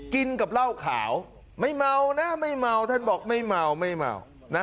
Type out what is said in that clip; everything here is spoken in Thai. กินกับเหล้าขาวไม่เมานะไม่เมาท่านบอกไม่เมาไม่เมานะ